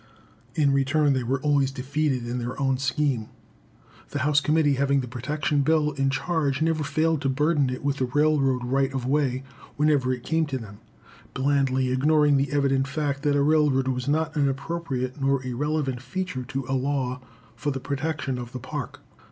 In return they were always defeated in their own scheme. The House Committee having the protection bill in charge never failed to burden it with the railroad right of way whenever it came to them, blandly ignoring the evident fact that a railroad was not an appropriate nor a relevant feature to a law for the protection of the Park.